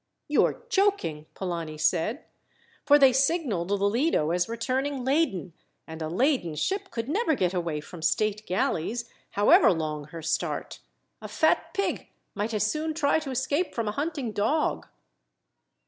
"You are joking," Polani said, "for they signalled the Lido as returning laden, and a laden ship could never get away from state galleys, however long her start. A fat pig might as soon try to escape from a hunting dog."